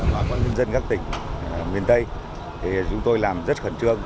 bà con nhân dân các tỉnh miền tây thì chúng tôi làm rất khẩn trương